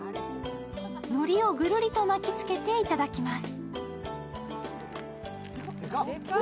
のりをぐるりと巻きつけて頂きます。